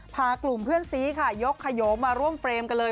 พากลุ่มเพื่อนซีค่ะยกขยงมาร่วมเฟรมกันเลย